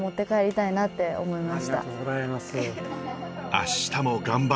明日も頑張ろう。